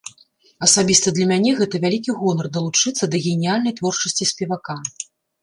Асабіста для мяне гэта вялікі гонар далучыцца да геніальнай творчасці спевака.